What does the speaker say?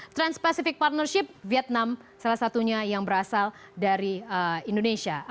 trans pacific partnership vietnam salah satunya yang berasal dari indonesia